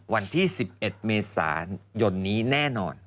วันที่๑๑เมษายนนี้แน่นอน